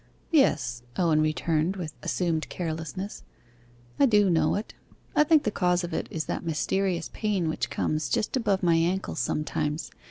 'Yes,' Owen returned with assumed carelessness, 'I do know it. I think the cause of it is that mysterious pain which comes just above my ankle sometimes.